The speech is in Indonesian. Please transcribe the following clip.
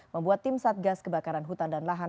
membuat tim satgas kebakaran hutan dan lahan